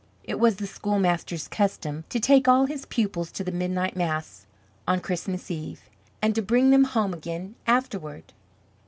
It was the schoolmaster's custom to take all his pupils to the midnight mass on Christmas Eve, and to bring them home again afterward.